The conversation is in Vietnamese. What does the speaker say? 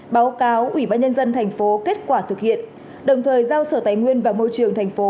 báo cáo ubnd tp kết quả thực hiện đồng thời giao sở tài nguyên vào môi trường tp